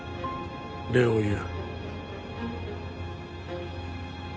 礼を言う。